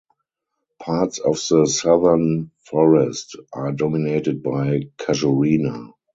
Parts of the southern forest are dominated by "Casuarina".